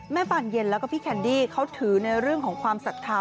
ปานเย็นแล้วก็พี่แคนดี้เขาถือในเรื่องของความศรัทธา